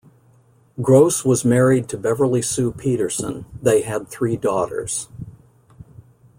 Gross was married to Beverly Sue Peterson; they had three daughters.